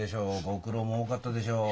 ご苦労も多かったでしょう？